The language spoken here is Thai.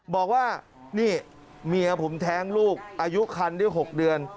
บอกว่านี่เมียผมแท้งลูกอายุคันได้๖เดือน